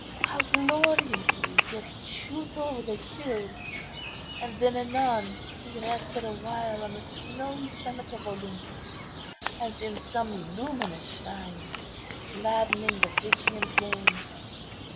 How gloriously did he shoot over the hills! and then anon he rested awhile on the snowy summit of Olympus, as in some luminous shrine, gladdening the Phrygian plain.